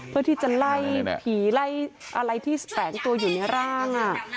เพื่อที่จะไล่ผีไล่อะไรที่แฝงตัวอยู่ในร่าง